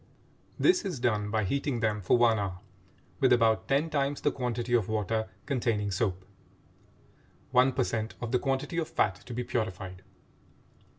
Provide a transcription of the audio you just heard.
This is done by heating them for one hour with about ten times the quantity of water containing soap (one per cent of the quantity of fat to be purified).